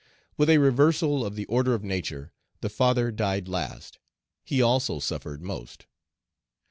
With a reversal of the order of nature, the father died last; he also suffered most.